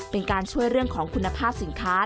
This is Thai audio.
เป็นการช่วยเรื่องของคุณภาพสินค้า